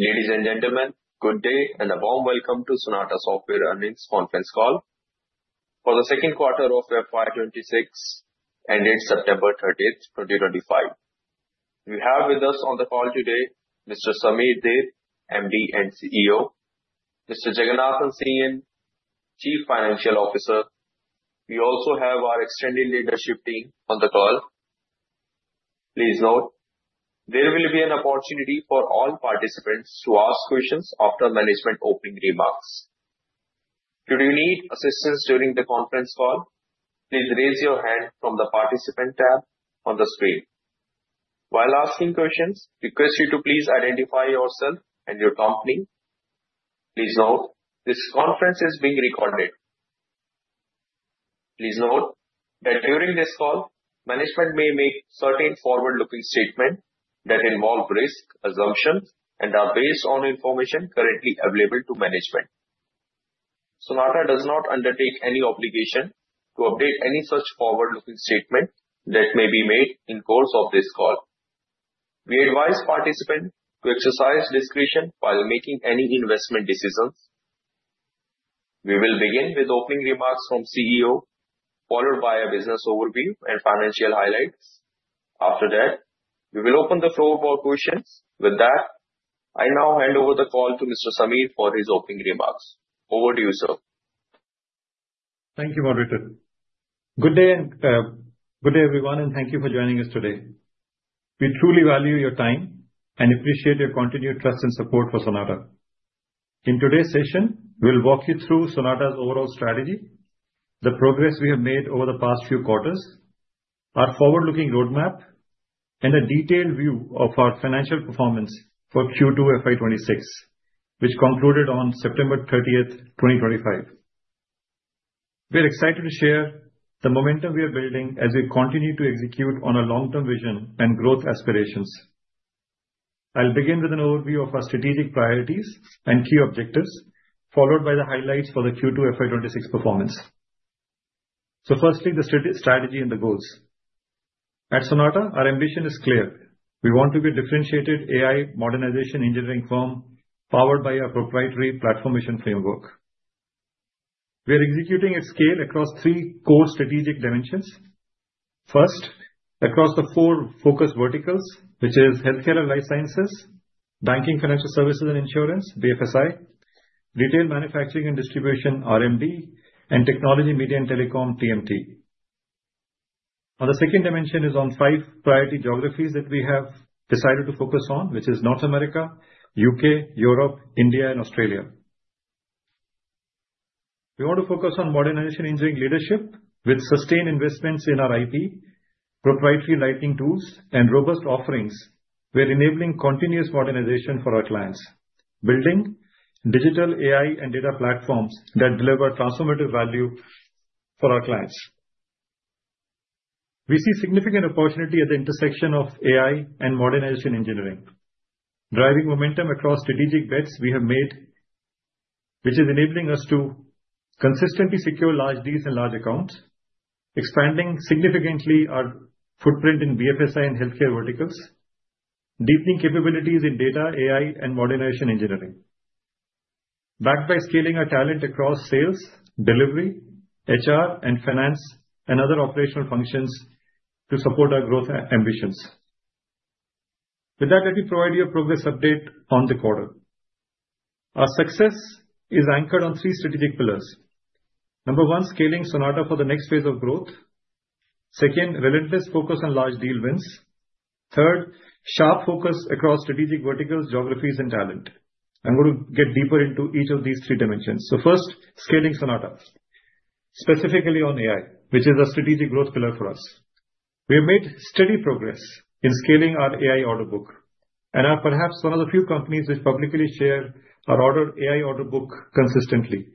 Ladies and gentlemen, good day and a warm welcome to Sonata Software Earnings Conference Call for the second quarter of FY 2026 ended September 30th 2025. We have with us on the call today Mr. Samir Dhir, MD and CEO, Mr. Jagannathan CN, Chief Financial Officer. We also have our Extended Leadership Team on the call. Please note, there will be an opportunity for all participants to ask questions after management opening remarks. Should you need assistance during the conference call, please raise your hand from the participant tab on the screen. While asking questions, we request you to please identify yourself and your company. Please note, this conference is being recorded. Please note that during this call, management may make certain forward-looking statements that involve risk assumptions and are based on information currently available to management. Sonata does not undertake any obligation to update any such forward-looking statement that may be made in course of this call. We advise participants to exercise discretion while making any investment decisions. We will begin with opening remarks from CEO, followed by a business overview and financial highlights. After that, we will open the floor for questions. With that, I now hand over the call to Mr. Samir for his opening remarks. Over to you, sir. Thank you, Maurito. Good day and good day, everyone, and thank you for joining us today. We truly value your time and appreciate your continued trust and support for Sonata. In today's session, we'll walk you through Sonata's overall strategy, the progress we have made over the past few quarters, our forward-looking roadmap, and a detailed view of our financial performance for Q2 FY 2026, which concluded on September 30th 2025. We're excited to share the momentum we are building as we continue to execute on our long-term vision and growth aspirations. I'll begin with an overview of our strategic priorities and key objectives, followed by the highlights for the Q2 FY 2026 performance. Firstly, the strategy and the goals. At Sonata, our ambition is clear. We want to be a differentiated AI modernization engineering firm powered by our proprietary platform mission framework. We are executing at scale across three core strategic dimensions. First, across the four focus verticals, which are healthcare and life sciences, banking, financial services, and insurance, BFSI, retail manufacturing and distribution, RMD, and technology, media and telecom, TMT. The second dimension is on five priority geographies that we have decided to focus on, which are North America, U.K., Europe, India, and Australia. We want to focus on modernization engineering leadership with sustained investments in our IP, proprietary lightning tools, and robust offerings. We are enabling continuous modernization for our clients, building digital AI and data platforms that deliver transformative value for our clients. We see significant opportunity at the intersection of AI and modernization engineering, driving momentum across strategic bets we have made, which is enabling us to consistently secure large deals and large accounts, expanding significantly our footprint in BFSI and healthcare verticals, deepening capabilities in data, AI, and modernization engineering, backed by scaling our talent across sales, delivery, HR, and finance, and other operational functions to support our growth ambitions. With that, let me provide you a progress update on the quarter. Our success is anchored on three strategic pillars. Number one, scaling Sonata for the next phase of growth. Second, relentless focus on large deal wins. Third, sharp focus across strategic verticals, geographies, and talent. I'm going to get deeper into each of these three dimensions. First, scaling Sonata, specifically on AI, which is a strategic growth pillar for us. We have made steady progress in scaling our AI order book and are perhaps one of the few companies which publicly share our AI order book consistently.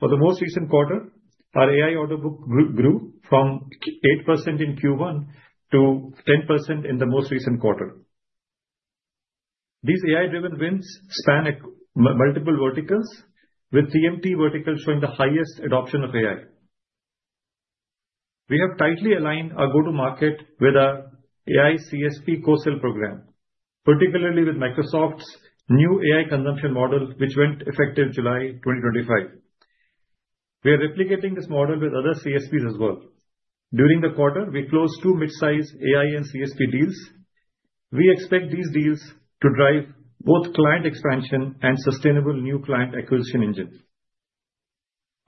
For the most recent quarter, our AI order book grew from 8% in Q1 to 10% in the most recent quarter. These AI-driven wins span multiple verticals, with TMT vertical showing the highest adoption of AI. We have tightly aligned our go-to-market with our AI CSP co-sale program, particularly with Microsoft's new AI consumption model, which went effective July 2025. We are replicating this model with other CSPs as well. During the quarter, we closed two mid-size AI and CSP deals. We expect these deals to drive both client expansion and sustainable new client acquisition engine.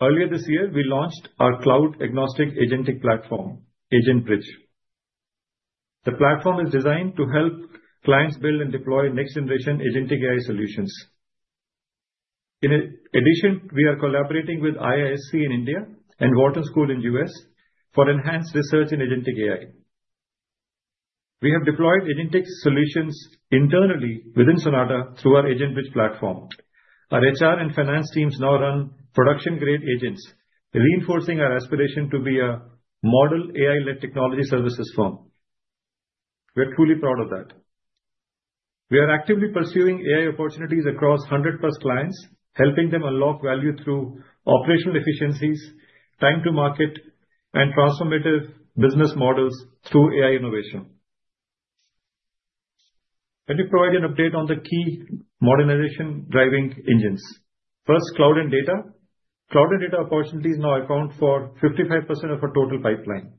Earlier this year, we launched our cloud-agnostic agentic platform, AgentBridge. The platform is designed to help clients build and deploy next-generation agentic AI solutions. In addition, we are collaborating with IISC in India and Wharton School in the US for enhanced research in agentic AI. We have deployed agentic solutions internally within Sonata through our AgentBridge platform. Our HR and finance teams now run production-grade agents, reinforcing our aspiration to be a model AI-led technology services firm. We are truly proud of that. We are actively pursuing AI opportunities across 100+ clients, helping them unlock value through operational efficiencies, time-to-market, and transformative business models through AI innovation. Let me provide an update on the key modernization driving engines. First, cloud and data. Cloud and data opportunities now account for 55% of our total pipeline,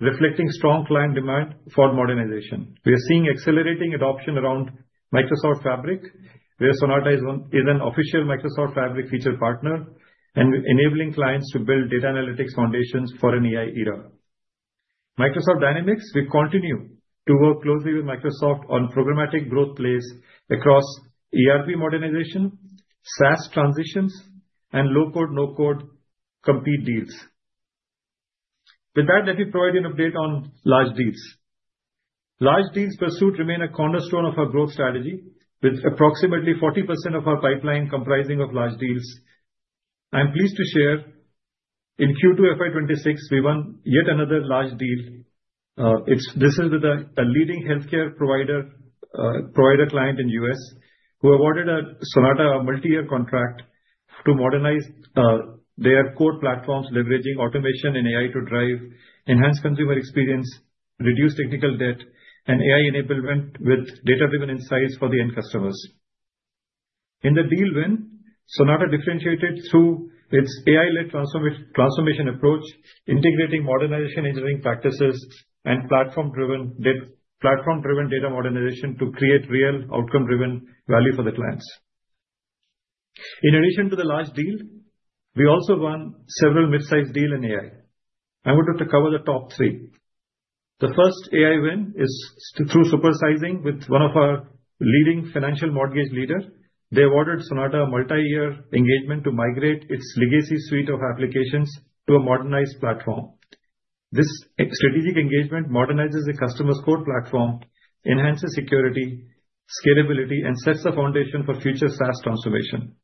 reflecting strong client demand for modernization. We are seeing accelerating adoption around Microsoft Fabric, where Sonata is an official Microsoft Fabric feature partner, and enabling clients to build data analytics foundations for an AI era. Microsoft Dynamics, we continue to work closely with Microsoft on programmatic growth plays across ERP modernization, SaaS transitions, and low-code, no-code compete deals. With that, let me provide you an update on large deals. Large deals pursued remain a cornerstone of our growth strategy, with approximately 40% of our pipeline comprising large deals. I'm pleased to share in Q2 FY 2026, we won yet another large deal. This is with a leading healthcare provider client in the US who awarded Sonata a multi-year contract to modernize their core platforms, leveraging automation and AI to drive enhanced consumer experience, reduce technical debt, and AI enablement with data-driven insights for the end customers. In the deal win, Sonata differentiated through its AI-led transformation approach, integrating modernization engineering practices and platform-driven data modernization to create real outcome-driven value for the clients. In addition to the large deal, we also won several mid-size deals in AI. I wanted to cover the top three. The first AI win is through supersizing with one of our leading financial mortgage leaders. They awarded Sonata a multi-year engagement to migrate its legacy suite of applications to a modernized platform. This strategic engagement modernizes the customer's core platform, enhances security, scalability, and sets the foundation for future SaaS transformation.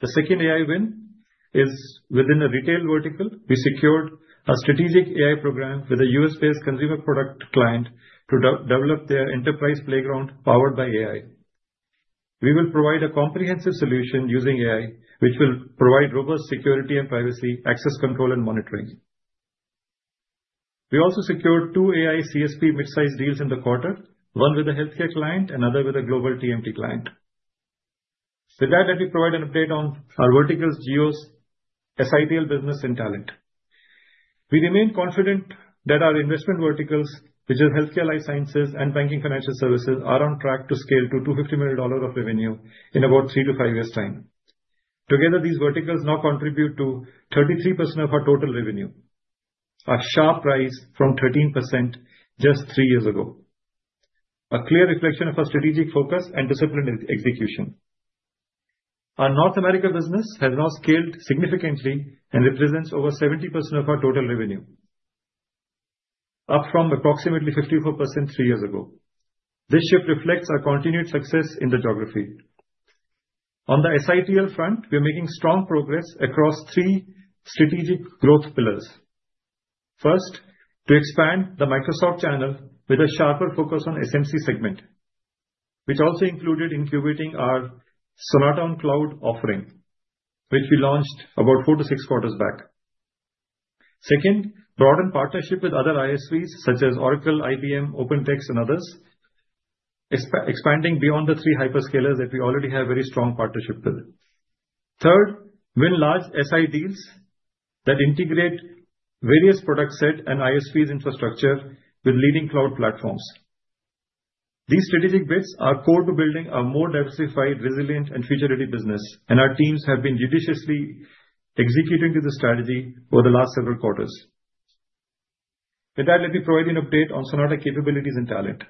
The second AI win is within a retail vertical. We secured a strategic AI program with a US-based consumer product client to develop their enterprise playground powered by AI. We will provide a comprehensive solution using AI, which will provide robust security and privacy access control and monitoring. We also secured two AI CSP mid-size deals in the quarter, one with a healthcare client and another with a global TMT client. With that, let me provide an update on our verticals, geos, SITL, business, and talent. We remain confident that our investment verticals, which are healthcare life sciences and banking financial services, are on track to scale to INR 250 million of revenue in about three to five years' time. Together, these verticals now contribute to 33% of our total revenue, a sharp rise from 13% just three years ago, a clear reflection of our strategic focus and disciplined execution. Our North America business has now scaled significantly and represents over 70% of our total revenue, up from approximately 54% three years ago. This shift reflects our continued success in the geography. On the SITL front, we are making strong progress across three strategic growth pillars. First, to expand the Microsoft channel with a sharper focus on SMC segment, which also included incubating our Sonata on Cloud offering, which we launched about four to six quarters back. Second, broaden partnership with other ISVs such as Oracle, IBM, OpenText, and others, expanding beyond the three hyperscalers that we already have very strong partnership with. Third, win large SI deals that integrate various product sets and ISVs' infrastructure with leading cloud platforms. These strategic bits are core to building a more diversified, resilient, and future-ready business, and our teams have been judiciously executing this strategy over the last several quarters. With that, let me provide you an update on Sonata capabilities and talent.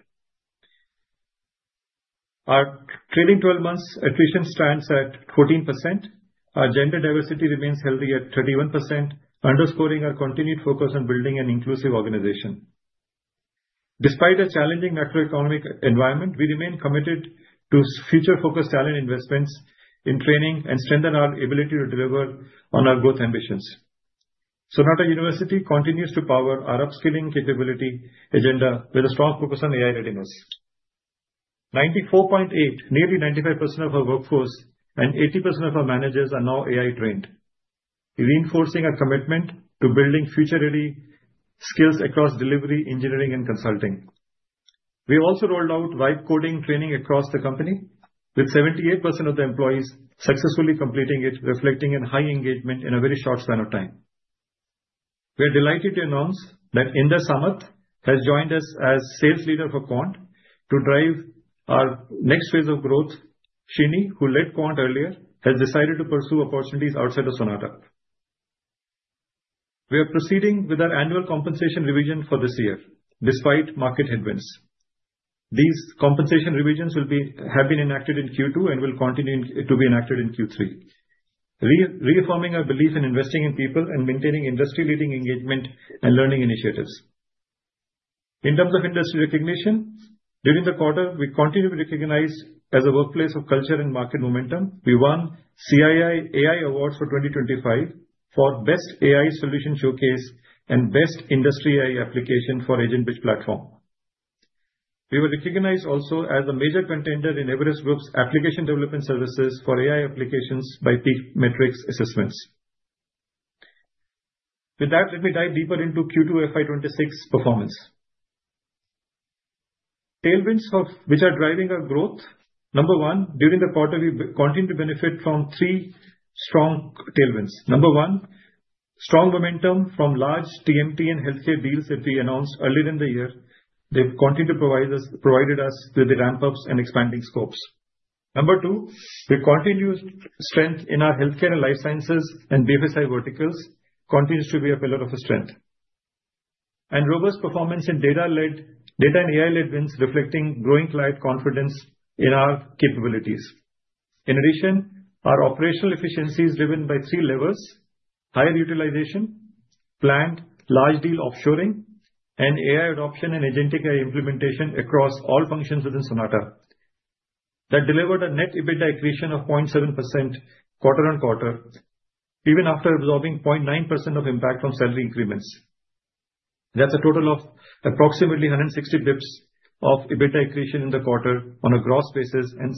Our trailing 12 months' attrition stands at 14%. Our gender diversity remains healthy at 31%, underscoring our continued focus on building an inclusive organization. Despite a challenging macroeconomic environment, we remain committed to future-focused talent investments in training and strengthen our ability to deliver on our growth ambitions. Sonata University continues to power our upskilling capability agenda with a strong focus on AI readiness. 94.8%, nearly 95% of our workforce and 80% of our managers are now AI-trained, reinforcing our commitment to building future-ready skills across delivery, engineering, and consulting. We also rolled out vibe coding training across the company, with 78% of the employees successfully completing it, reflecting in high engagement in a very short span of time. We are delighted to announce that Inder Samarth has joined us as sales leader for Quant to drive our next phase of growth. Srini, who led Quant earlier, has decided to pursue opportunities outside of Sonata. We are proceeding with our annual compensation revision for this year, despite market headwinds. These compensation revisions have been enacted in Q2 and will continue to be enacted in Q3, reaffirming our belief in investing in people and maintaining industry-leading engagement and learning initiatives. In terms of industry recognition, during the quarter, we continued to be recognized as a workplace of culture and market momentum. We won CII AI Awards for 2025 for Best AI Solution Showcase and Best Industry AI Application for AgentBridge Platform. We were recognized also as a major contender in Everest Group's Application Development Services for AI applications by Peak Metrics Assessments. With that, let me dive deeper into Q2 FY 2026 performance. Tailwinds which are driving our growth. Number one, during the quarter, we continue to benefit from three strong tailwinds. Number one, strong momentum from large TMT and healthcare deals that we announced earlier in the year. They've continued to provide us with the ramp-ups and expanding scopes. Number two, the continued strength in our healthcare and life sciences and BFSI verticals continues to be a pillar of strength and robust performance in data and AI-led wins reflecting growing client confidence in our capabilities. In addition, our operational efficiency is driven by three levels: higher utilization, planned large deal offshoring, and AI adoption and agentic AI implementation across all functions within Sonata that delivered a net EBITDA equation of 0.7% quarter on quarter, even after absorbing 0.9% of impact from salary increments. That is a total of approximately 160 basis points of EBITDA accretion in the quarter on a gross basis and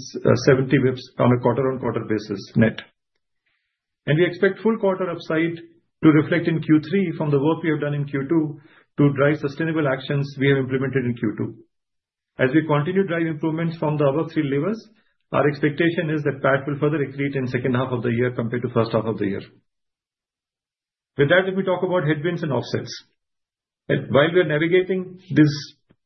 70 basis points on a quarter-on-quarter basis net. We expect full quarter upside to reflect in Q3 from the work we have done in Q2 to drive sustainable actions we have implemented in Q2. As we continue to drive improvements from the above three levels, our expectation is that PAT will further accrete in the second half of the year compared to the first half of the year. With that, let me talk about headwinds and offsets. While we are navigating this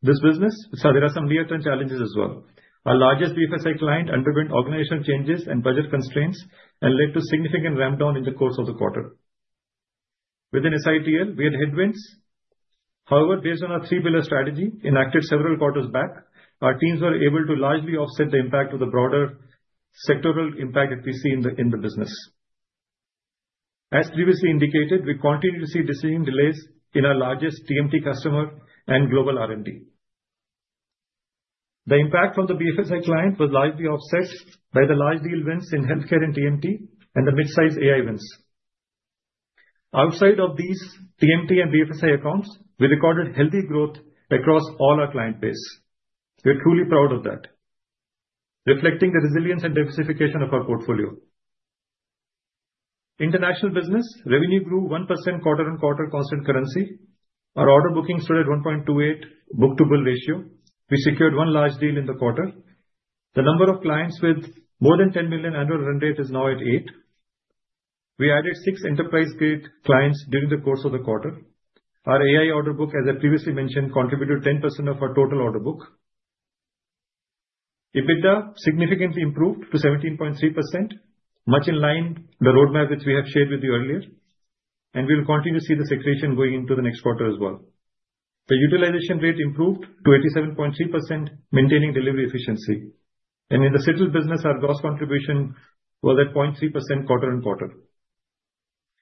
business, there are some real-time challenges as well. Our largest BFSI client underwent organizational changes and budget constraints and led to a significant ramp-down in the course of the quarter. Within SITL, we had headwinds. However, based on our three-pillar strategy enacted several quarters back, our teams were able to largely offset the impact of the broader sectoral impact that we see in the business. As previously indicated, we continue to see decision delays in our largest TMT customer and global R&D. The impact from the BFSI client was largely offset by the large deal wins in healthcare and TMT and the mid-size AI wins. Outside of these TMT and BFSI accounts, we recorded healthy growth across all our client base. We are truly proud of that, reflecting the resilience and diversification of our portfolio. International business revenue grew 1% quarter-on-quarter constant currency. Our order booking stood at 1.28 book-to-bill ratio. We secured one large deal in the quarter. The number of clients with more than 10 million annual run rate is now at eight. We added six enterprise-grade clients during the course of the quarter. Our AI order book, as I previously mentioned, contributed 10% of our total order book. EBITDA significantly improved to 17.3%, much in line with the roadmap which we have shared with you earlier. We will continue to see the secretion going into the next quarter as well. The utilization rate improved to 87.3%, maintaining delivery efficiency. In the SITL business, our gross contribution was at 0.3% quarter-on-quarter.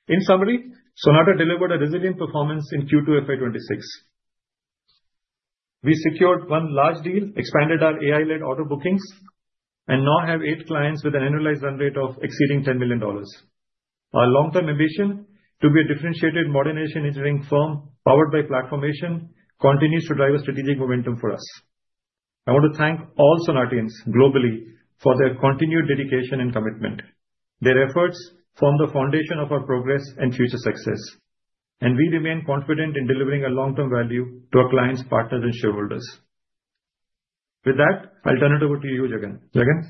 In summary, Sonata delivered a resilient performance in Q2 FY 2026. We secured one large deal, expanded our AI-led order bookings, and now have eight clients with an annualized run rate of exceeding INR 10 million. Our long-term ambition to be a differentiated modernization engineering firm powered by platformation continues to drive a strategic momentum for us. I want to thank all Sonatians globally for their continued dedication and commitment. Their efforts form the foundation of our progress and future success, and we remain confident in delivering a long-term value to our clients, partners, and shareholders. With that, I'll turn it over to you, Jagan. Jagan,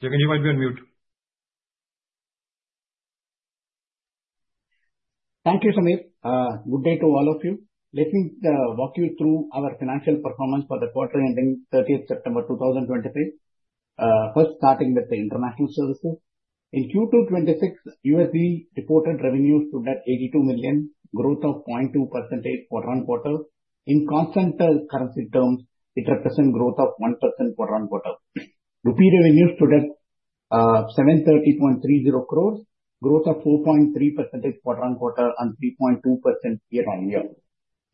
you might be on mute. Thank you, Samir. Good day to all of you. Let me walk you through our financial performance for the quarter ending 30 September 2023. First, starting with the international services. In Q2 FY 2026, USD reported revenues stood at $82 million, growth of 0.2% quarter-on-quarter. In constant currency terms, it represents growth of 1% quarter-on-quarter. Repeat revenues stood at 730.30 crores, growth of 4.3% quarter-on-quarter and 3.2% year-on-year.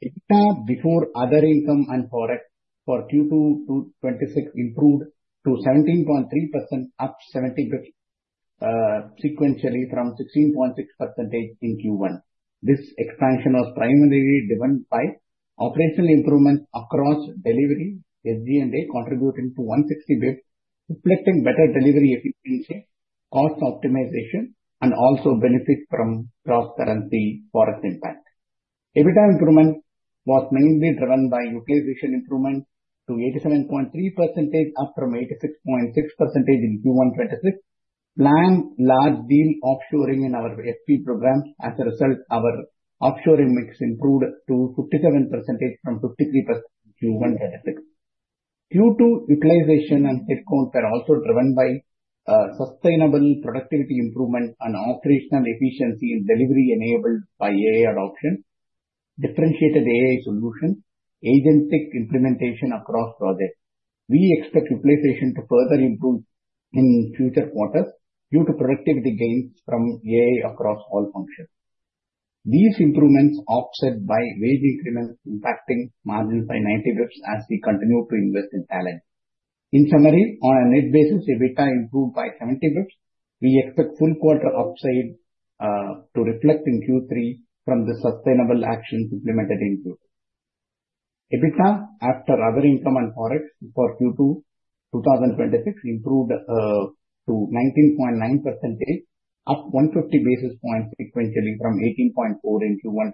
EBITDA before other income and forex for Q2 FY 2026 improved to 17.3%, up 70 basis points sequentially from 16.6% in Q1. This expansion was primarily driven by operational improvements across delivery, SG&A contributing to 160 basis points, reflecting better delivery efficiency, cost optimization, and also benefit from cross-currency forex impact. EBITDA improvement was mainly driven by utilization improvement to 87.3%, up from 86.6% in Q1 FY 2026. Planned large deal offshoring in our FP program. As a result, our offshoring mix improved to 57% from 53% in Q1 FY 2026. Q2 utilization and headcount were also driven by sustainable productivity improvement and operational efficiency in delivery enabled by AI adoption, differentiated AI solution, agentic implementation across projects. We expect utilization to further improve in future quarters due to productivity gains from AI across all functions. These improvements offset by wage increments impacting margins by 90 basis points as we continue to invest in talent. In summary, on a net basis, EBITDA improved by 70 basis points. We expect full quarter upside to reflect in Q3 from the sustainable actions implemented in Q2. EBITDA after other income and forex for Q2 2026 improved to 19.9%, up 150 basis points sequentially from 18.4% in Q1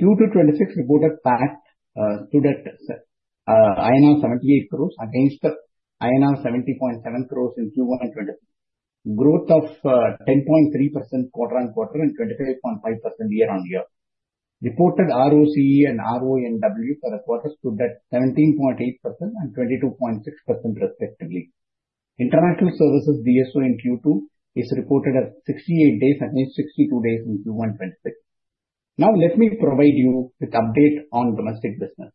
2026. Q2 2026 reported PAT stood at INR 78 crores against INR 70.7 crores in Q1 2026. Growth of 10.3% quarter-on-quarter and 25.5% year-on-year. Reported ROCE and RONW for the quarter stood at 17.8% and 22.6% respectively. International services DSO in Q2 is reported as 68 days against 62 days in Q1 2026. Now, let me provide you with an update on domestic business.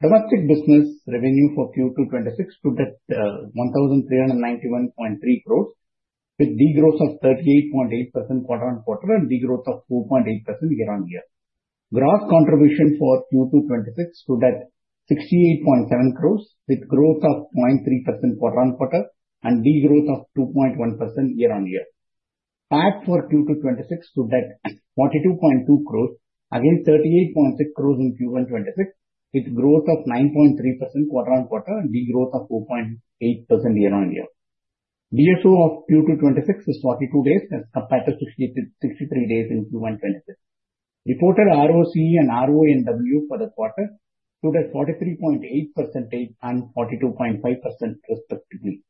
Domestic business revenue for Q2 2026 stood at INR 1,391.3 crores, with degrowth of 38.8% quarter-on-quarter and degrowth of 4.8% year-on-year. Gross contribution for Q2 2026 stood at 68.7, with growth of 0.3% quarter-on-quarter and degrowth of 2.1% year-on-year. PAT for Q2 2026 stood at 42.2 crores against 38.6 crores in Q1 2026, with growth of 9.3% quarter-on-quarter and degrowth of 4.8% year-on-year. DSO of Q2 2026 is 42 days as compared to 63 days in Q1 2026. Reported ROCE and RONW for the quarter stood at 43.8% and 42.5% respectively.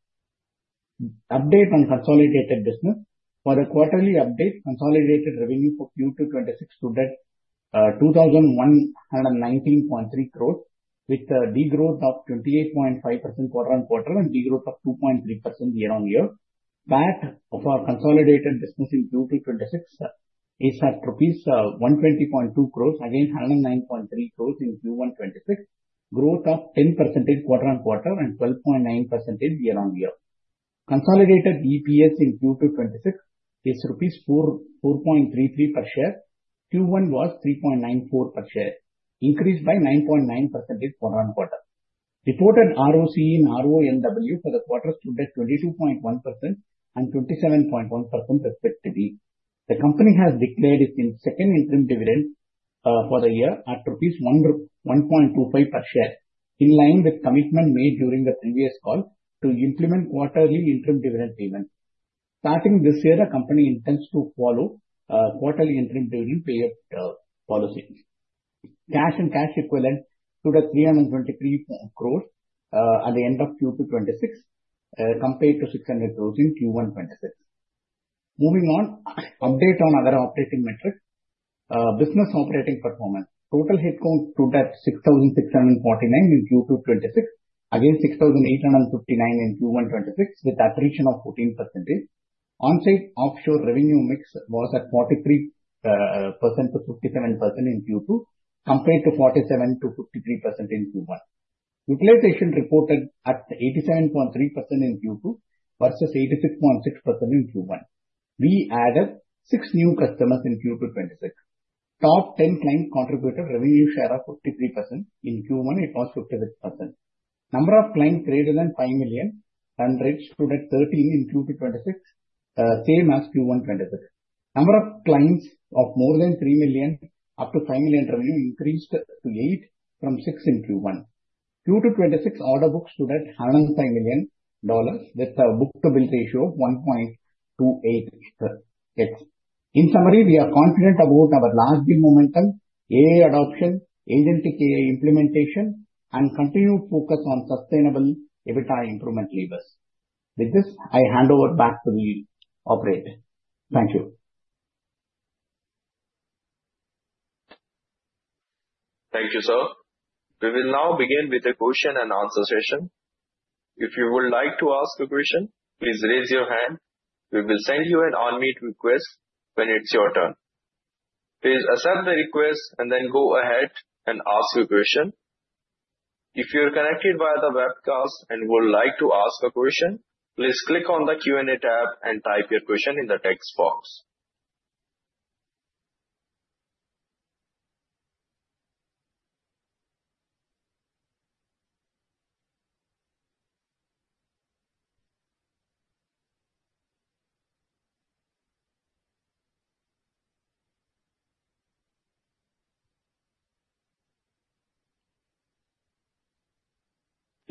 Update on consolidated business. For the quarterly update, consolidated revenue for Q2 2026 stood at 2,119.3 crore, with a degrowth of 28.5% quarter-on-quarter and degrowth of 2.3% year-on-year. PAT for consolidated business in Q2 2026 is at INR 120.2 crores against 109.3 in Q1 2026, growth of 10% quarter-on-quarter and 12.9% year-on-year. Consolidated EPS in Q2 2026 is rupees 4.3 per share. Q1 was 3.94 per share, increased by 9.9% quarter-on-quarter. Reported ROCE and RONW for the quarter stood at 22.1% and 27.1% respectively. The company has declared its second interim dividend for the year at rupees 1.25 per share, in line with commitment made during the previous call to implement quarterly interim dividend payments. Starting this year, the company intends to follow quarterly interim dividend payment policy. Cash and cash equivalent stood at 323 crore at the end of Q2 2026 compared to 600 crore in Q1 2026. Moving on, update on other operating metrics. Business operating performance. Total headcount stood at 6,649 in Q2 2026 against 6,859 in Q1 2026, with attrition of 14%. On-site offshore revenue mix was at 43%-57% in Q2 compared to 47%-53% in Q1. Utilization reported at 87.3% in Q2 versus 86.6% in Q1. We added six new customers in Q2 2026. Top 10 clients contributed revenue share of 53%. In Q1, it was 56%. Number of clients greater than 5 million stood at 13 in Q2 2026, same as Q1 2026. Number of clients of more than 3 million up to 5 million revenue increased to 8 from 6 in Q1. Q2 2026 order book stood at $105 million with a book-to-bill ratio of 1.28x. In summary, we are confident about our large deal momentum, AI adoption, agentic AI implementation, and continued focus on sustainable EBITDA improvement levers. With this, I hand over back to the operator. Thank you. Thank you, sir. We will now begin with a question and answer session. If you would like to ask a question, please raise your hand. We will send you an unmute request when it's your turn. Please accept the request and then go ahead and ask your question. If you're connected via the webcast and would like to ask a question, please click on the Q&A tab and type your question in the text box.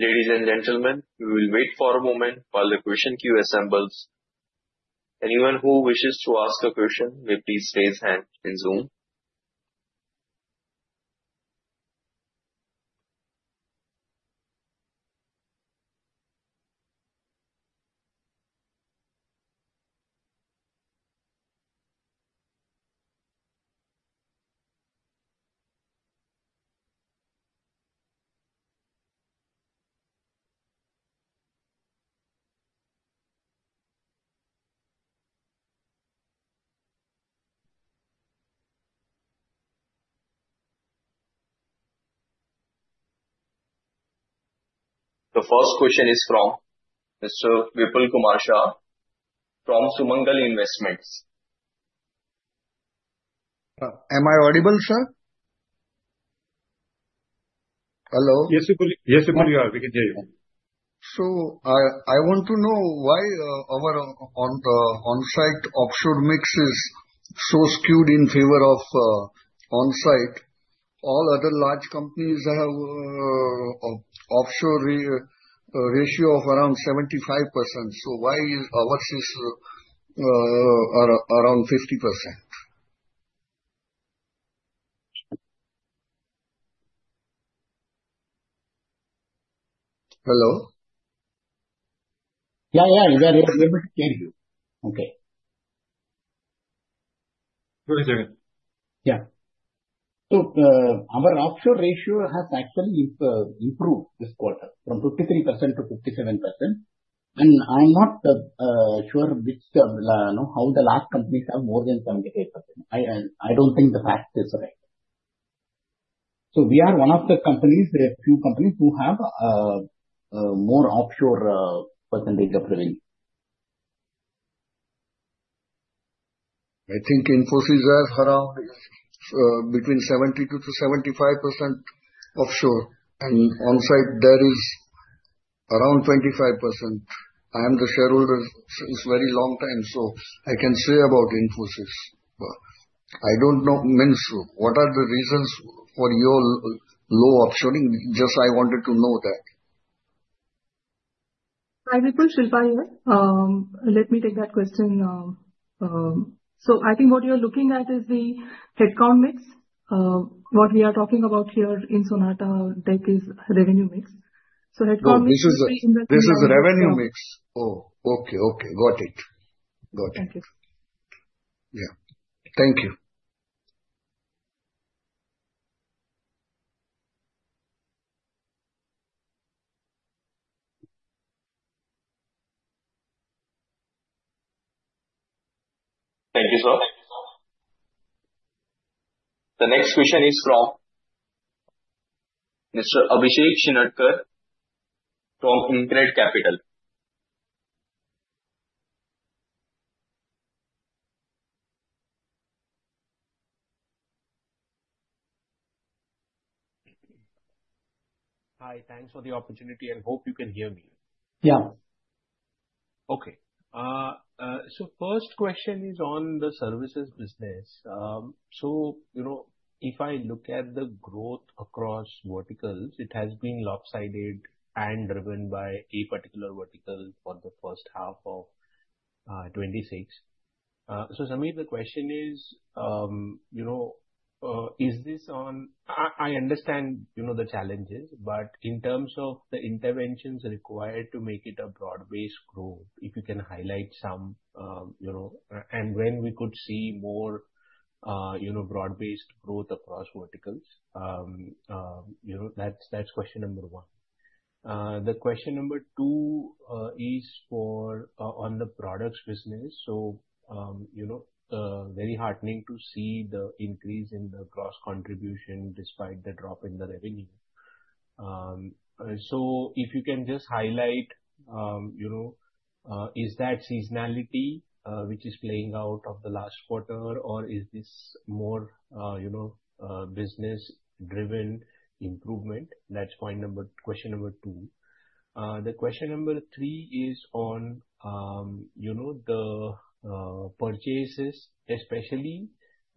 Ladies and gentlemen, we will wait for a moment while the question queue assembles. Anyone who wishes to ask a question may please raise hand in Zoom. The first question is from Mr. Vipulkumar Shah from Sumangal Investments. Am I audible, sir? Hello? Yes, you are. We can hear you. So I want to know why our on-site offshore mix is so skewed in favor of on-site. All other large companies have an offshore ratio of around 75%. So why is ours around 50%? Hello? Yeah, yeah. We are able to hear you. Okay. Yeah. So our offshore ratio has actually improved this quarter from 53%-57%. I'm not sure how the last companies have more than 75%. I don't think the fact is right. We are one of the companies, a few companies who have more offshore percentage of revenue. I think Infosys has around between 72%-75% offshore. On-site, there is around 25%. I am the shareholder since a very long time, so I can say about Infosys. I don't know, Minsoo, what are the reasons for your low offshoring? Just I wanted to know that. Hi, Vipul. Shilpa here. Let me take that question. I think what you're looking at is the headcount mix. What we are talking about here in Sonata Tech is revenue mix. Headcount mix. This is revenue mix. Oh, okay. Okay. Got it. Thank you. Yeah. Thank you. Thank you, sir. The next question is from Mr. Abhishek Shindadkar from InCred Capital. Hi. Thanks for the opportunity. I hope you can hear me. Yeah. Okay. First question is on the services business. If I look at the growth across verticals, it has been lopsided and driven by a particular vertical for the first half of 2026. Samir, the question is, I understand the challenges, but in terms of the interventions required to make it a broad-based growth, if you can highlight some, and when we could see more broad-based growth across verticals. That's question number one. Question number two is on the products business. Very heartening to see the increase in the gross contribution despite the drop in the revenue. If you can just highlight, is that seasonality which is playing out of the last quarter, or is this more business-driven improvement? That's question number two. The question number three is on the purchases, especially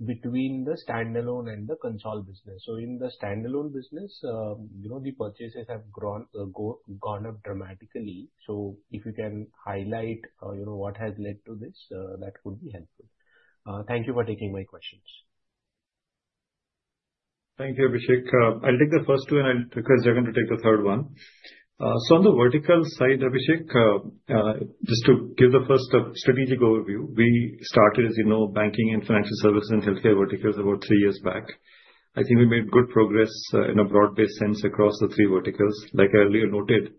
between the standalone and the consult business. In the standalone business, the purchases have gone up dramatically. If you can highlight what has led to this, that would be helpful. Thank you for taking my questions. Thank you, Abhishek. I'll take the first two, and I'll request Devan to take the third one. On the vertical side, Abhishek, just to give the first strategic overview, we started, as you know, banking and financial services and healthcare verticals about three years back. I think we made good progress in a broad-based sense across the three verticals. Like I earlier noted,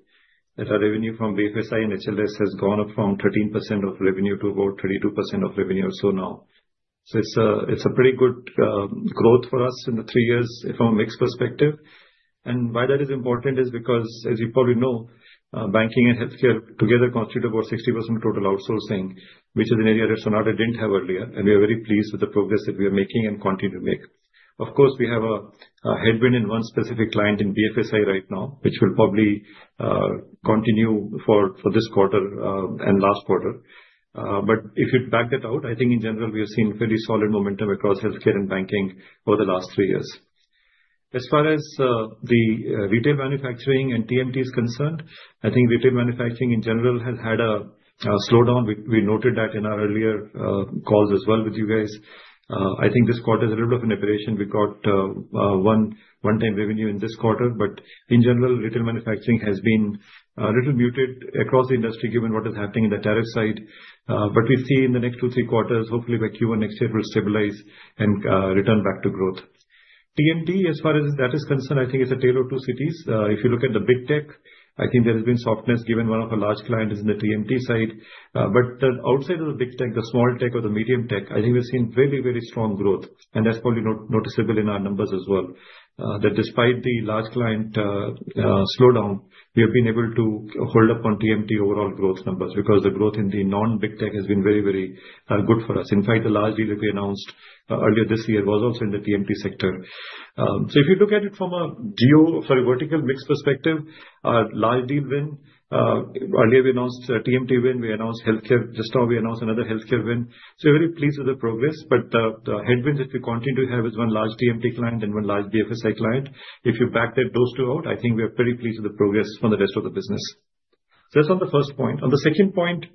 our revenue from BFSI and HLS has gone up from 13% of revenue to about 32% of revenue or so now. It is a pretty good growth for us in the three years from a mixed perspective. Why that is important is because, as you probably know, banking and healthcare together constitute about 60% of total outsourcing, which is an area that Sonata did not have earlier. We are very pleased with the progress that we are making and continue to make. Of course, we have a headwind in one specific client in BFSI right now, which will probably continue for this quarter and last quarter. If you back that out, I think in general, we have seen fairly solid momentum across healthcare and banking over the last three years. As far as the retail, manufacturing, and TMT is concerned, I think retail, manufacturing in general has had a slowdown. We noted that in our earlier calls as well with you guys. I think this quarter is a little bit of an aberration. We got one-time revenue in this quarter, but in general, retail, manufacturing has been a little muted across the industry given what is happening in the tariff side. We see in the next two, three quarters, hopefully by Q1 next year, it will stabilize and return back to growth. TMT, as far as that is concerned, I think it's a tale of two cities. If you look at the big tech, I think there has been softness given one of our large clients is in the TMT side. Outside of the big tech, the small tech or the medium tech, I think we've seen very, very strong growth. That is probably noticeable in our numbers as well. Despite the large client slowdown, we have been able to hold up on TMT overall growth numbers because the growth in the non-big tech has been very, very good for us. In fact, the large deal that we announced earlier this year was also in the TMT sector. If you look at it from a geo vertical mix perspective, large deal win. Earlier, we announced TMT win. We announced healthcare. Just now, we announced another healthcare win. We are very pleased with the progress. The headwinds that we continue to have are one large TMT client and one large BFSI client. If you back those two out, I think we are pretty pleased with the progress for the rest of the business. That is on the first point. On the second point,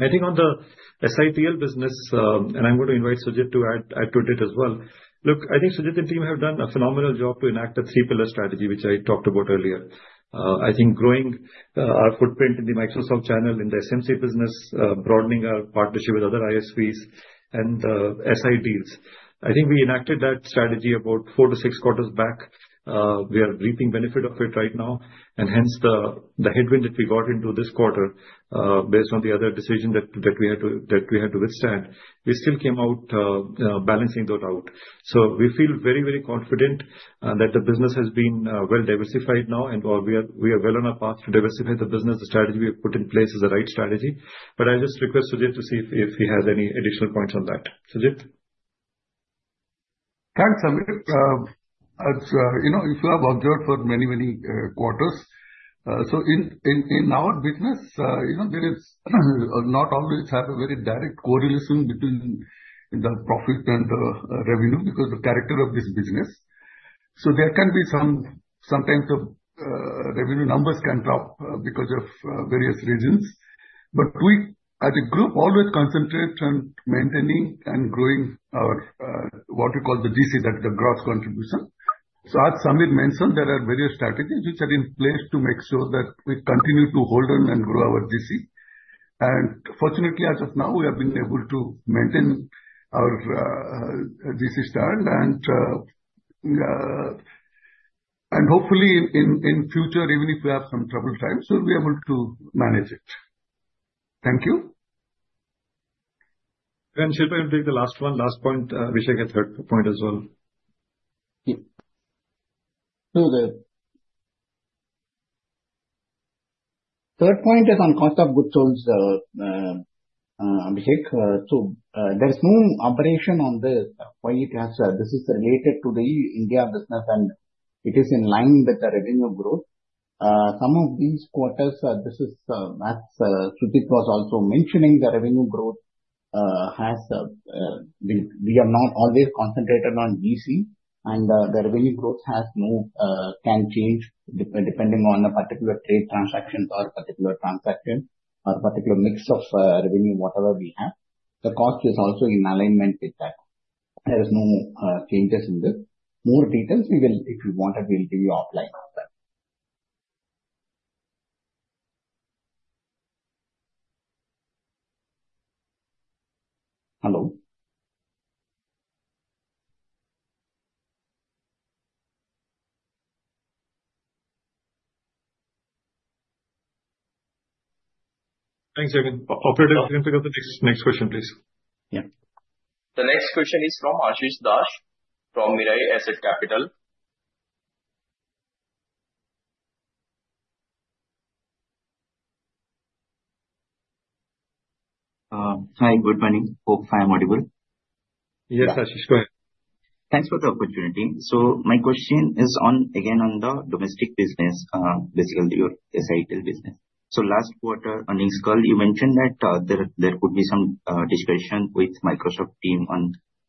I think on the SITL business, and I am going to invite Sujit to add to it as well. Look, I think Sujit and team have done a phenomenal job to enact a three-pillar strategy, which I talked about earlier. I think growing our footprint in the Microsoft channel in the SMC business, broadening our partnership with other ISVs and SI deals. I think we enacted that strategy about four to six quarters back. We are reaping benefit of it right now. Hence the headwind that we got into this quarter based on the other decision that we had to withstand, we still came out balancing that out. We feel very, very confident that the business has been well diversified now, and we are well on our path to diversify the business. The strategy we have put in place is the right strategy. I'll just request Sujit to see if he has any additional points on that. Sujit? Thanks, Samir. If you have observed for many, many quarters, in our business, there is not always a very direct correlation between the profit and the revenue because of the character of this business. There can be times the revenue numbers can drop because of various reasons. We as a group always concentrate on maintaining and growing our what we call the GC, that's the gross contribution. As Samir mentioned, there are various strategies which are in place to make sure that we continue to hold on and grow our GC. Fortunately, as of now, we have been able to maintain our GC stand. Hopefully, in future, even if we have some trouble times, we'll be able to manage it. Thank you. Shilpa, you take the last one. Last point, Abhishek has a third point as well. Third point is on cost of goods sold, Abhishek. There is no aberration on the point. This is related to the India business, and it is in line with the revenue growth. Some of these quarters, as Sujit was also mentioning, the revenue growth has been we are not always concentrated on GC, and the revenue growth can change depending on a particular trade transaction or a particular transaction or a particular mix of revenue, whatever we have. The cost is also in alignment with that. There are no changes in this. More details, if you wanted, we'll give you offline on that. Hello. Operator, you can pick up the next question, please. Yeah. The next question is from Ashis Dash from Mirae Asset Capital. Hi, good morning. Hope I am audible. Yes, Ashis, go ahead. Thanks for the opportunity. My question is again on the domestic business, basically your SITL business. Last quarter earnings call, you mentioned that there could be some discussion with Microsoft team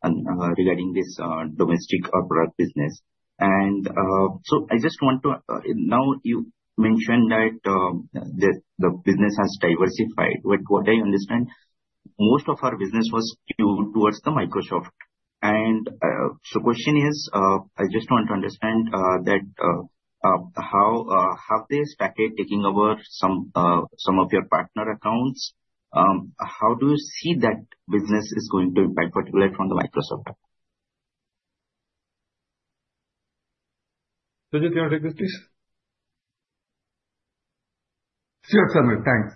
regarding this domestic or product business. I just want to, now you mentioned that the business has diversified. What I understand, most of our business was towards Microsoft. My question is, I just want to understand how have they started taking over some of your partner accounts? How do you see that business is going to impact, particularly from Microsoft? Sujit, you want to take this, please? Sure, Samir. Thanks.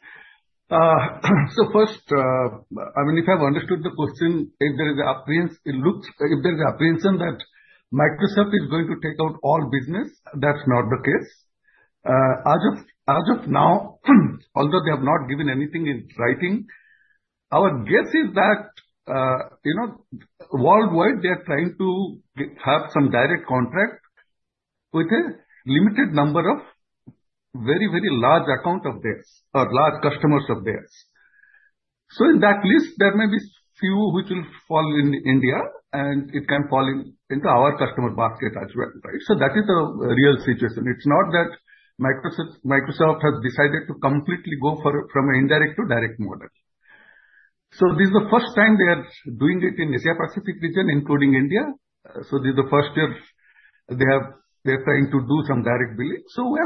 So first, I mean, if I've understood the question, if there is an apprehension that Microsoft is going to take out all business, that's not the case. As of now, although they have not given anything in writing, our guess is that worldwide, they are trying to have some direct contract with a limited number of very, very large accounts of theirs or large customers of theirs. In that list, there may be few which will fall in India, and it can fall into our customer basket as well, right? That is the real situation. It's not that Microsoft has decided to completely go from an indirect to direct model. This is the first time they are doing it in the Asia-Pacific region, including India. This is the first year they are trying to do some direct billing.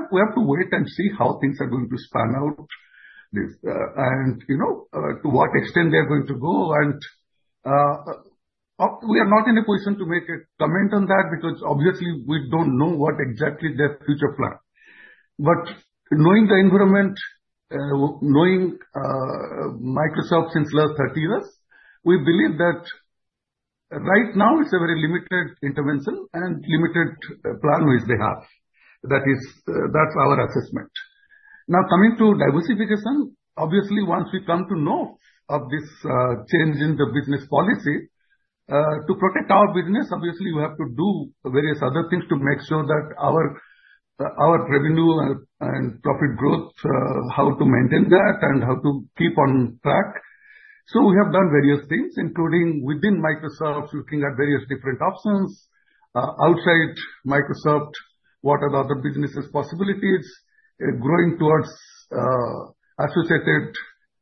We have to wait and see how things are going to span out and to what extent they are going to go. We are not in a position to make a comment on that because obviously, we do not know what exactly their future plan is. Knowing the environment, knowing Microsoft since the last 30 years, we believe that right now, it is a very limited intervention and limited plan which they have. That is our assessment. Now, coming to diversification, obviously, once we come to know of this change in the business policy, to protect our business, we have to do various other things to make sure that our revenue and profit growth, how to maintain that and how to keep on track. We have done various things, including within Microsoft, looking at various different options, outside Microsoft, what are the other businesses' possibilities, growing towards associated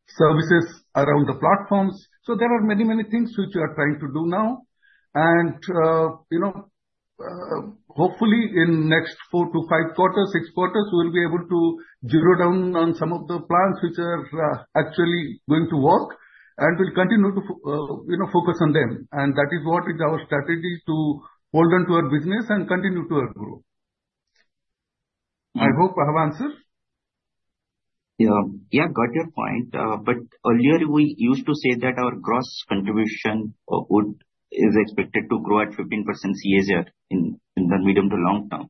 services around the platforms. There are many, many things which we are trying to do now. Hopefully, in the next four to five quarters, six quarters, we will be able to zero down on some of the plans which are actually going to work and will continue to focus on them. That is what is our strategy to hold on to our business and continue to our growth. I hope I have answered. Yeah, got your point. Earlier, we used to say that our gross contribution is expected to grow at 15% CAGR in the medium to long term.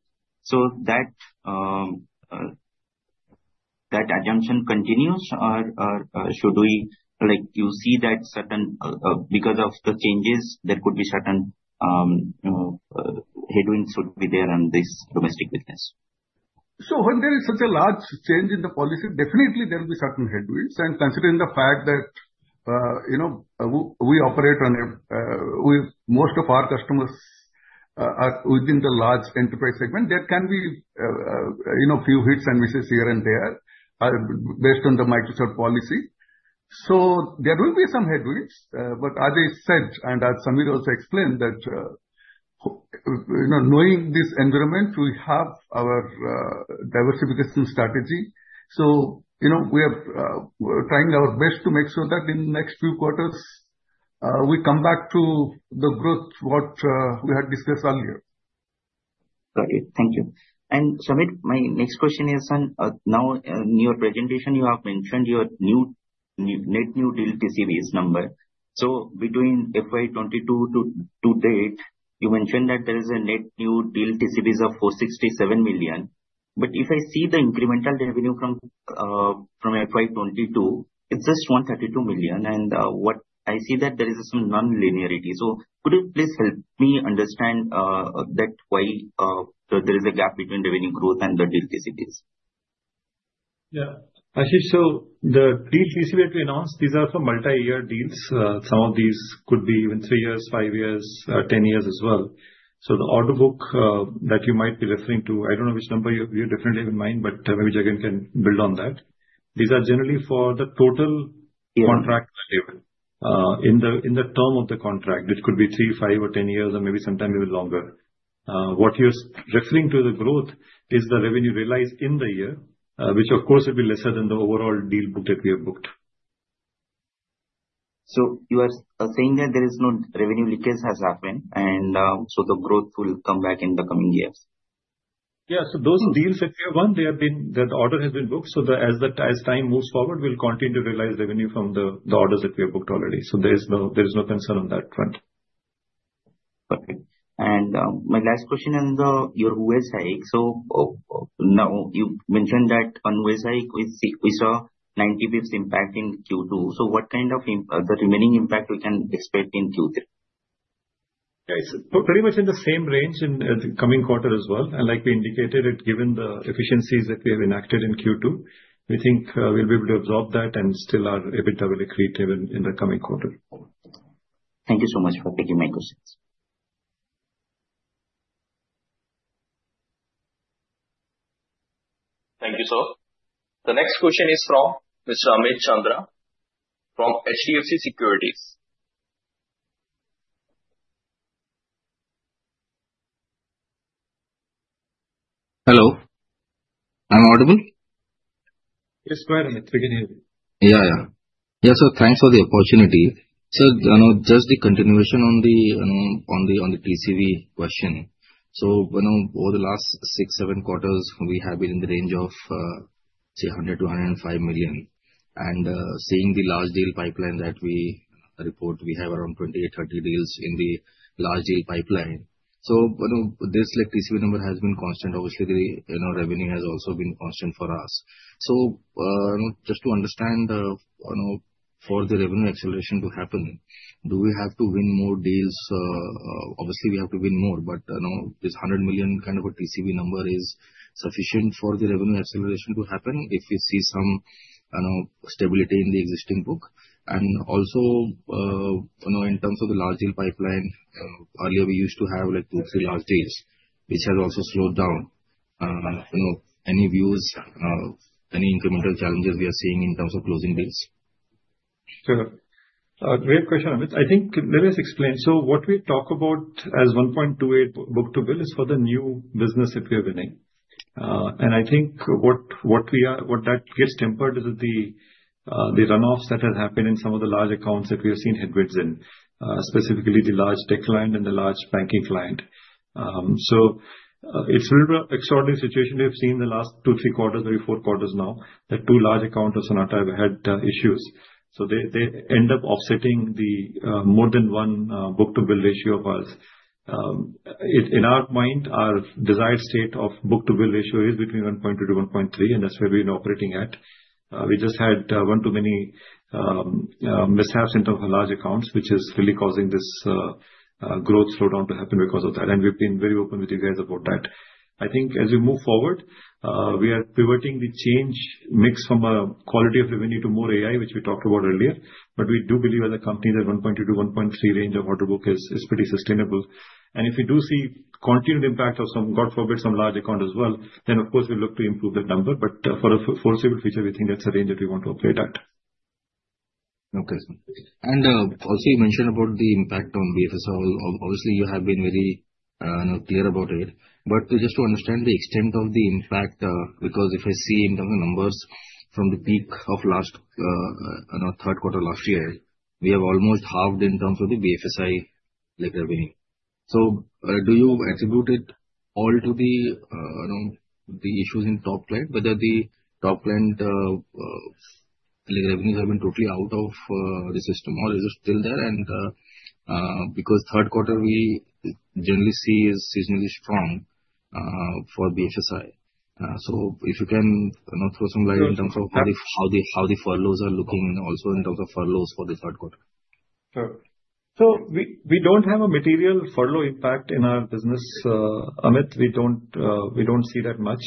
That assumption continues, or should we, like, you see that certain because of the changes, there could be certain headwinds would be there on this domestic business? When there is such a large change in the policy, definitely, there will be certain headwinds. Considering the fact that we operate on most of our customers within the large enterprise segment, there can be a few hits and misses here and there based on the Microsoft policy. There will be some headwinds. As I said, and as Samir also explained, knowing this environment, we have our diversification strategy. We are trying our best to make sure that in the next few quarters, we come back to the growth we had discussed earlier. Got it. Thank you. Samir, my next question is on now in your presentation, you have mentioned your net new deal TCV number. Between FY 2022 to date, you mentioned that there is a net new deal TCV of 467 million. If I see the incremental revenue from FY 2022, it's just 132 million. What I see is that there is some non-linearity. Could you please help me understand why there is a gap between revenue growth and the deal TCV? Yeah. Ashis, the deal TCV that we announced, these are for multi-year deals. Some of these could be even three years, five years, ten years as well. The order book that you might be referring to, I don't know which number you definitely have in mind, but maybe Jagan can build on that. These are generally for the total contract level in the term of the contract. It could be three, five, or 10 years, or maybe sometime even longer. What you're referring to, the growth, is the revenue realized in the year, which of course will be lesser than the overall deal book that we have booked. You are saying that there is no revenue leakage has happened, and the growth will come back in the coming years? Yeah. Those deals, if you want, the order has been booked. As time moves forward, we'll continue to realize revenue from the orders that we have booked already. There is no concern on that front. Okay. My last question on your USAIC. You mentioned that on USAIC, we saw 90 basis points impact in Q2. What kind of remaining impact can we expect in Q3? Yeah, it's pretty much in the same range in the coming quarter as well. Like we indicated, given the efficiencies that we have enacted in Q2, we think we'll be able to absorb that and still are a bit creative in the coming quarter. Thank you so much for taking my questions. Thank you, sir. The next question is from Mr. Amit Chandra from HDFC Securities. Hello. Am I audible? Yes, go ahead, Amit. We can hear you. Yeah, yeah. Yes, sir. Thanks for the opportunity. Sir, just the continuation on the TCV question. Over the last six-seven quarters, we have been in the range of, say, 100 million-105 million. Seeing the large deal pipeline that we report, we have around 28-30 deals in the large deal pipeline. This TCV number has been constant. Obviously, the revenue has also been constant for us. Just to understand, for the revenue acceleration to happen, do we have to win more deals? Obviously, we have to win more. This 100 million kind of a TCV number is sufficient for the revenue acceleration to happen if we see some stability in the existing book. Also, in terms of the large deal pipeline, earlier, we used to have like two-three large deals, which has also slowed down. Any views, any incremental challenges we are seeing in terms of closing deals? Sure. Great question, Amit. I think let us explain. What we talk about as 1.28 book-to-bill is for the new business that we are winning. I think what that gets tempered is the runoffs that have happened in some of the large accounts that we have seen headwinds in, specifically the large tech client and the large banking client. It's a bit of an extraordinary situation. We have seen the last two, three quarters, or four quarters now that two large accounts have had issues. They end up offsetting the more than one book-to-bill ratio of us. In our mind, our desired state of book-to-bill ratio is between 1.2-1.3, and that's where we're operating at. We just had one too many mishaps in terms of large accounts, which is really causing this growth slowdown to happen because of that. We have been very open with you guys about that. I think as we move forward, we are pivoting the change mix from a quality of revenue to more AI, which we talked about earlier. We do believe as a company that 1.2-1.3 range of order book is pretty sustainable. If we do see continued impact of some, God forbid, some large account as well, then of course, we look to improve that number. For a foreseeable future, we think that's a range that we want to operate at. Okay. Also, you mentioned about the impact on BFSI. Obviously, you have been very clear about it. Just to understand the extent of the impact, because if I see in terms of numbers from the peak of last third quarter last year, we have almost halved in terms of the BFSI revenue. Do you attribute it all to the issues in top client, whether the top client revenues have been totally out of the system or is it still there? Third quarter, we generally see is seasonally strong for BFSI. If you can throw some light in terms of how the furloughs are looking and also in terms of furloughs for the third quarter. Sure. We do not have a material furlough impact in our business, Amit. We do not see that much.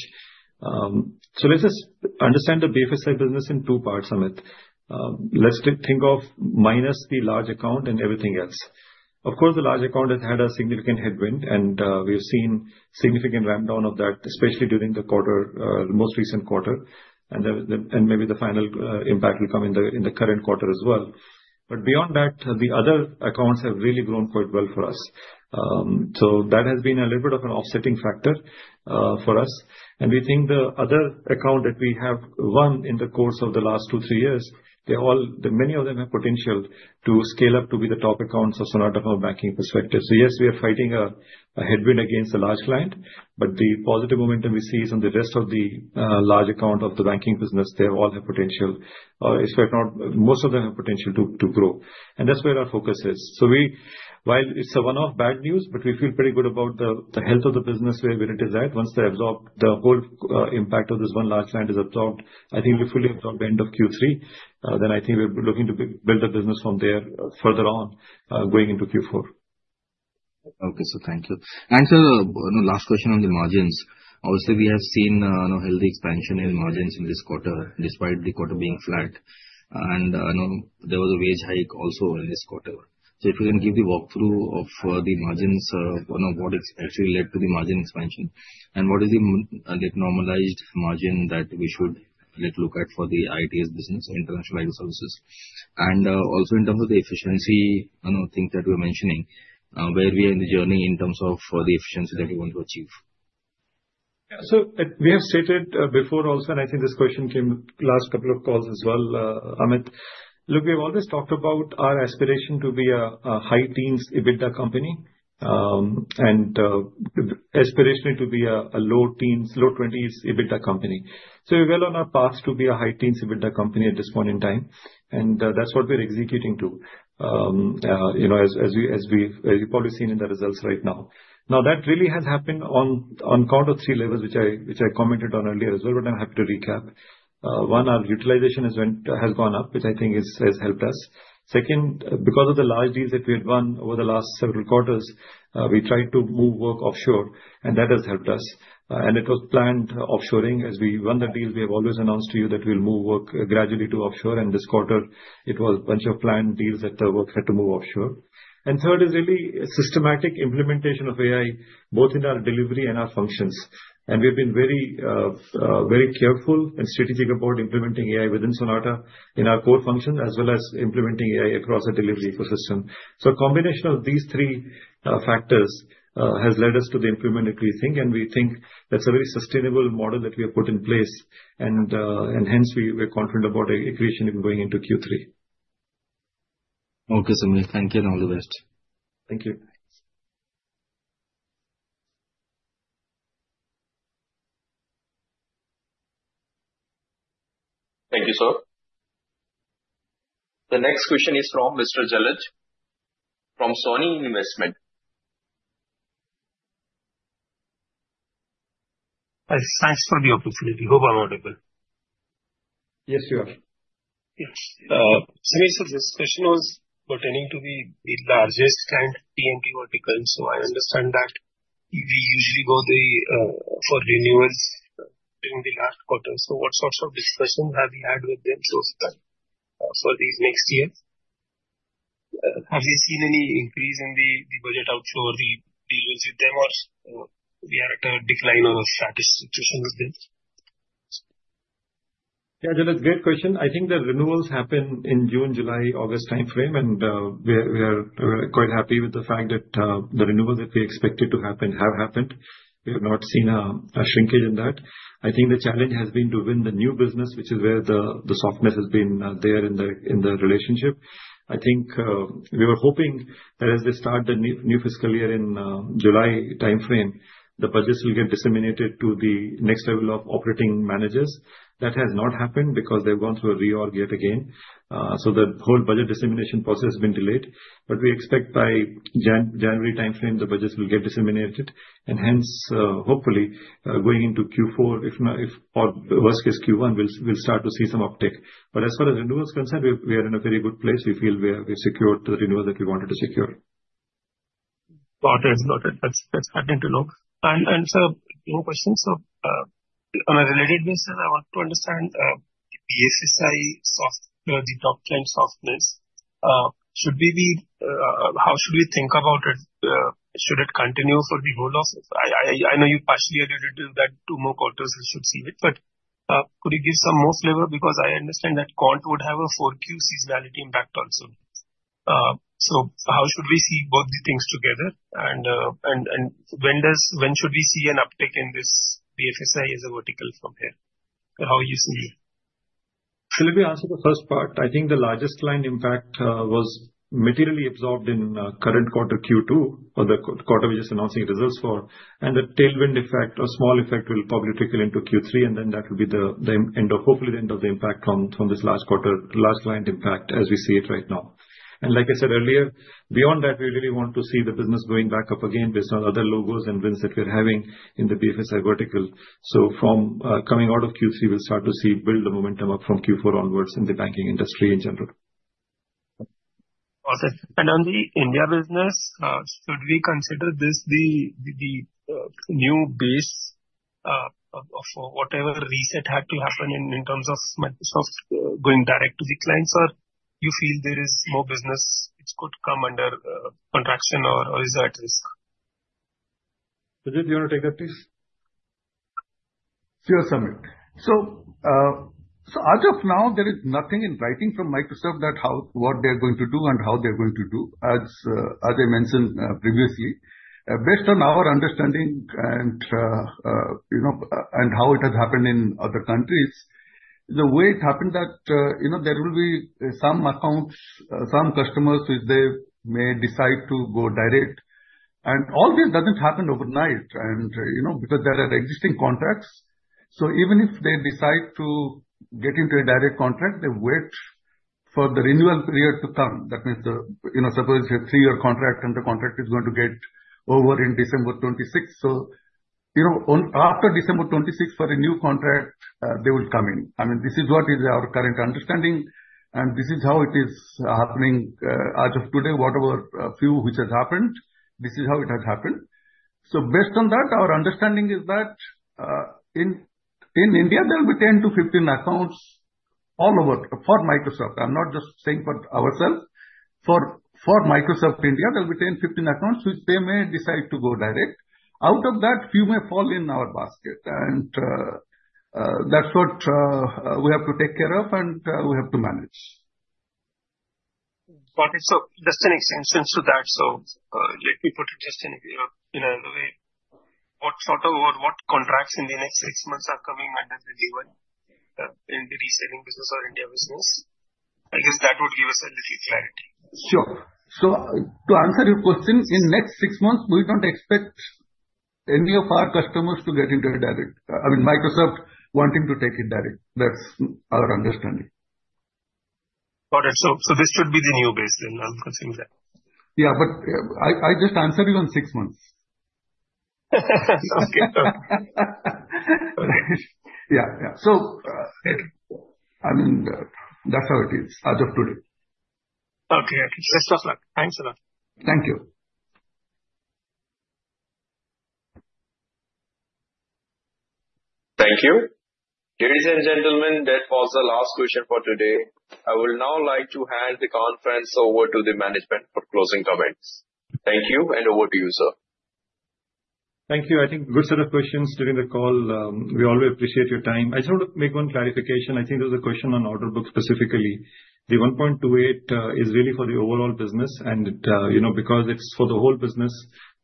Let's just understand the BFSI business in two parts, Amit. Let's think of minus the large account and everything else. Of course, the large account has had a significant headwind, and we have seen significant ramp down of that, especially during the most recent quarter. Maybe the final impact will come in the current quarter as well. Beyond that, the other accounts have really grown quite well for us. That has been a little bit of an offsetting factor for us. We think the other account that we have won in the course of the last two, three years, many of them have potential to scale up to be the top accounts from a banking perspective. Yes, we are fighting a headwind against a large client, but the positive momentum we see is on the rest of the large account of the banking business. They all have potential. If not, most of them have potential to grow. That is where our focus is. While it is a one-off bad news, we feel pretty good about the health of the business where it is at. Once the whole impact of this one large client is absorbed, I think we fully absorb the end of Q3. I think we are looking to build the business from there further on going into Q4. Okay. Thank you. Sir, last question on the margins. Obviously, we have seen healthy expansion in margins in this quarter, despite the quarter being flat. There was a wage hike also in this quarter. If you can give the walkthrough of the margins, what actually led to the margin expansion and what is the normalized margin that we should look at for the ITS business, international IT services? Also, in terms of the efficiency things that we are mentioning, where are we in the journey in terms of the efficiency that we want to achieve? Yeah. We have stated before also, and I think this question came last couple of calls as well, Amit. Look, we have always talked about our aspiration to be a high teens EBITDA company and aspirationally to be a low teens, low 20s EBITDA company. We're well on our path to be a high teens EBITDA company at this point in time. That's what we're executing to, as you've probably seen in the results right now. That really has happened on count of three levels, which I commented on earlier as well, but I'm happy to recap. One, our utilization has gone up, which I think has helped us. Second, because of the large deals that we had won over the last several quarters, we tried to move work offshore, and that has helped us. It was planned offshoring. As we won the deals, we have always announced to you that we'll move work gradually to offshore. This quarter, it was a bunch of planned deals that the work had to move offshore. Third is really systematic implementation of AI, both in our delivery and our functions. We have been very careful and strategic about implementing AI within Sonata in our core functions, as well as implementing AI across our delivery ecosystem. A combination of these three factors has led us to the improvement that we think. We think that's a very sustainable model that we have put in place. Hence, we are confident about equation going into Q3. Okay, Samir. Thank you and all the best. Thank you. Thank you, sir. The next question is from Mr. Jallit from Sony Investment. Thanks for the opportunity. Hope I'm audible. Yes, you are. Yes. Samir, this question was pertaining to the largest client T&T vertical. I understand that you usually go for renewals during the last quarter. What sorts of discussions have you had with them so far for these next years? Have you seen any increase in the budget outflow or the deals with them, or we are at a decline or a static situation with them? Yeah, Jallit, great question. I think the renewals happen in June, July, August timeframe. We are quite happy with the fact that the renewals that we expected to happen have happened. We have not seen a shrinkage in that. I think the challenge has been to win the new business, which is where the softness has been there in the relationship. I think we were hoping that as they start the new fiscal year in July timeframe, the budgets will get disseminated to the next level of operating managers. That has not happened because they've gone through a reorg yet again. The whole budget dissemination process has been delayed. We expect by January timeframe, the budgets will get disseminated. Hence, hopefully, going into Q4, or worst case, Q1, we'll start to see some uptake. As far as renewals are concerned, we are in a very good place. We feel we have secured the renewals that we wanted to secure. Got it. Got it. That's fascinating to know. Sir, one more question. On a related basis, I want to understand the BFSI software, the top-tier softness. How should we think about it? Should it continue for the roll-off? I know you partially alluded to that, two more quarters we should see it. Could you give some more flavor? Because I understand that Quant would have a Q4 seasonality impact also. How should we see both these things together? When should we see an uptake in this BFSI as a vertical from here? How would you see it? Let me answer the first part. I think the largest client impact was materially absorbed in current quarter Q2, or the quarter we're just announcing results for. The tailwind effect, a small effect, will probably trickle into Q3. That will be the end of, hopefully, the end of the impact from this large client impact as we see it right now. Like I said earlier, beyond that, we really want to see the business going back up again based on other logos and wins that we're having in the BFSI vertical. From coming out of Q3, we'll start to see build the momentum up from Q4 onwards in the banking industry in general. Awesome. On the India business, should we consider this the new base of whatever reset had to happen in terms of Microsoft going direct to the clients, or do you feel there is more business which could come under contraction or is there at risk? Amit, do you want to take that piece? Sure, Samir. As of now, there is nothing in writing from Microsoft that what they're going to do and how they're going to do, as I mentioned previously. Based on our understanding and how it has happened in other countries, the way it happened is that there will be some accounts, some customers which they may decide to go direct. All this does not happen overnight because there are existing contracts. Even if they decide to get into a direct contract, they wait for the renewal period to come. That means suppose you have a three-year contract and the contract is going to get over in December 2026. After December 2026, for a new contract, they will come in. I mean, this is what is our current understanding. This is how it is happening as of today, whatever few which has happened. This is how it has happened. Based on that, our understanding is that in India, there will be 10-15 accounts all over for Microsoft. I am not just saying for ourselves. For Microsoft India, there will be 10-15 accounts which they may decide to go direct. Out of that, few may fall in our basket. That is what we have to take care of and we have to manage. Got it. Just an extension to that. Let me put it just in a way. What sort of or what contracts in the next six months are coming under the D1 in the reselling business or India business? I guess that would give us a little clarity. Sure. To answer your question, in the next six months, we do not expect any of our customers to get into a direct. I mean, Microsoft wanting to take it direct. That is our understanding. Got it. This should be the new base. I am assuming that. Yeah, but I just answer you in six months. Okay. Yeah. Yeah. That is how it is as of today. Okay. Okay. Best of luck. Thanks a lot. Thank you. Thank you. Ladies and gentlemen, that was the last question for today. I would now like to hand the conference over to the management for closing comments. Thank you. Over to you, sir. Thank you. I think a good set of questions during the call. We all will appreciate your time. I just want to make one clarification. I think there was a question on order book specifically. The 1.28 is really for the overall business. Because it is for the whole business,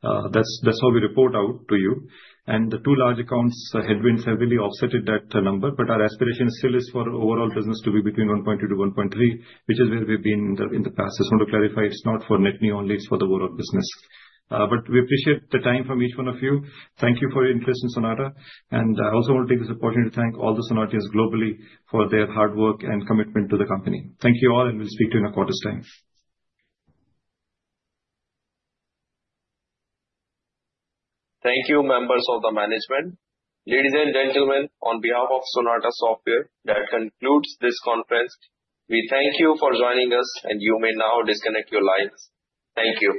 that is how we report out to you. The two large accounts' headwinds have really offset that number. Our aspiration still is for overall business to be between 1.2-1.3, which is where we have been in the past. I just want to clarify. It is not for net new only. It is for the overall business. We appreciate the time from each one of you. Thank you for your interest in Sonata. I also want to take this opportunity to thank all the Sonatians globally for their hard work and commitment to the company. Thank you all, and we'll speak to you in a quarter's time. Thank you, members of the management. Ladies and gentlemen, on behalf of Sonata Software, that concludes this conference. We thank you for joining us, and you may now disconnect your lines. Thank you.